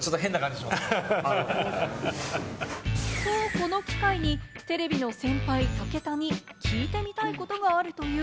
この機会にテレビの先輩・武田に聞いてみたいことがあるという。